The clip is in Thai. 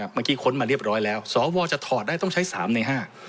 ค้นมาเรียบร้อยแล้วสวจะถอดได้ต้องใช้๓ใน๕